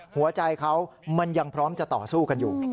หัวใจเขามันยังพร้อมจะต่อสู้กันอยู่